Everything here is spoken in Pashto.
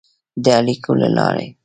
د اړیکو له لارې